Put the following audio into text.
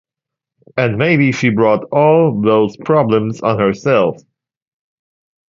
And maybe she brought all those problems on herself.